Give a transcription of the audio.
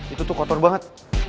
itu tuh kotor banget